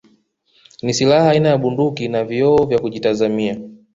Ni silaha aina ya Bunduki na vioo vya kujitazamia